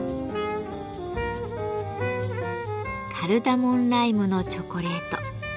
カルダモンライムのチョコレート。